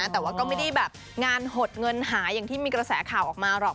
แต่ว่าก็ไม่ได้แบบงานหดเงินหาอย่างที่มีกระแสข่าวออกมาหรอก